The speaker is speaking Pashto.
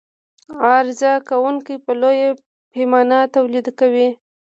عرضه کوونکى په لویه پیمانه تولید کوي.